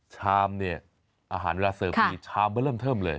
ชามเนี่ยอาหารเวลาเสิร์ฟดีชามก็เริ่มเทิมเลย